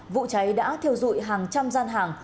vụ cháy đã thiêu dụi hàng trăm gian hàng